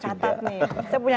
saya punya anak juga